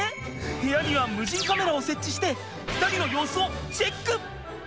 部屋には無人カメラを設置して２人の様子をチェック！